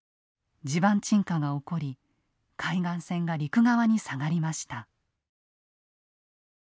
地盤沈下が起こり海岸線が陸側に下がりました。